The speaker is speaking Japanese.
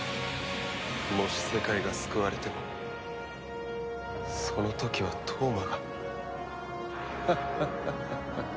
もし世界が救われてもその時は飛羽真が。ハハハハハハ。